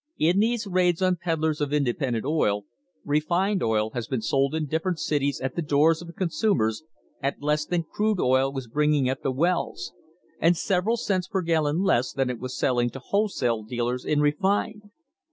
In these raids on peddlers of independent oil, refined THE HISTORY OF THE STANDARD OIL COMPANY oil has been sold in different cities at the doors of consumers at less than crude oil was bringing at the wells, and several cents per gallon less than it was selling to wholesale dealers in refined.